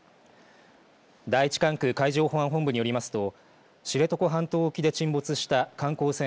第１管区海上保安本部によりますと知床半島沖で沈没した観光船